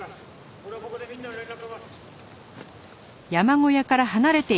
俺はここでみんなの連絡を待つ。